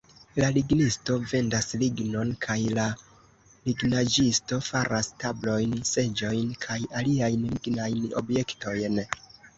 La lignisto vendas lignon, kaj la lignaĵisto faras tablojn, seĝojn kaj aliajn lignajn objektojn.